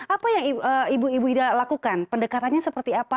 apa yang ibu ibu ida lakukan pendekatannya seperti apa